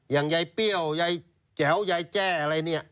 ยายเปรี้ยวยายแจ๋วยายแจ้อะไรเนี่ย